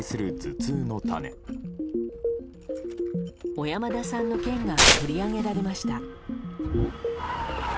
小山田さんの件が取り上げられました。